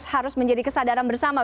harus menjadi kesadaran bersama